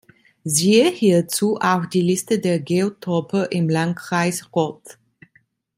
Siehe hierzu auch die Liste der Geotope im Landkreis Roth.